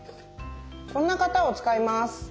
こんな型を使います。